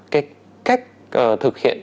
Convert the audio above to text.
cái cách thực hiện